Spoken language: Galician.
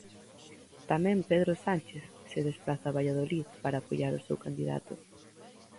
Tamén Pedro Sánchez se despraza a Valladolid para apoiar o seu candidato.